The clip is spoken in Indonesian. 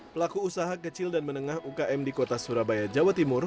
pelaku usaha kecil dan menengah ukm di kota surabaya jawa timur